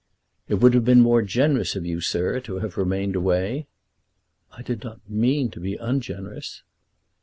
"It would have been more generous of you, sir, to have remained away." "I did not mean to be ungenerous."